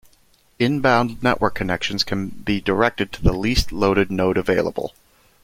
Inbound network connections can be directed to the least loaded node available.